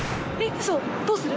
ウソどうする？